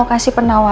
gak ada apa apa